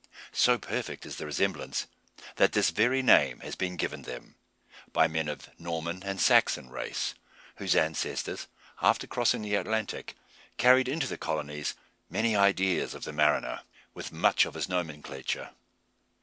So perfect is the resemblance, that this very name has been given them, by men of Norman and Saxon race; whose ancestors, after crossing the Atlantic, carried into the colonies many ideas of the mariner, with much of his nomenclature.